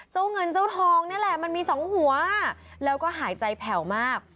เงินเจ้าทองนี่แหละมันมีสองหัวแล้วก็หายใจแผ่วมาก